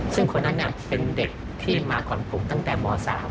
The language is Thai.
ซึ่งคนนั้นเป็นเด็กที่มาก่อนผมตั้งแต่ม๓